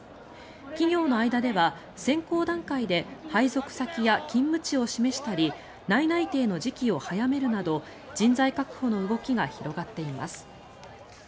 企業の間では選考段階で配属先や勤務地を示したり内々定の時期を早めるなど人材確保の動きが広がっています。